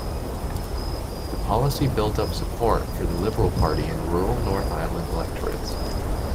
The policy built up support for the Liberal Party in rural North Island electorates.